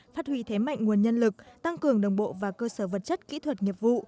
phát huy thế mạnh nguồn nhân lực tăng cường đồng bộ và cơ sở vật chất kỹ thuật nghiệp vụ